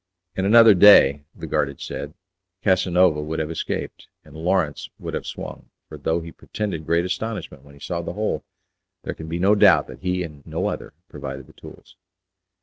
"In another day," the guard had said, "Casanova would have escaped, and Lawrence would have swung, for though he pretended great astonishment when he saw the hole, there can be no doubt that he and no other provided the tools."